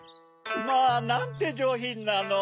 まぁ！なんてじょうひんなの。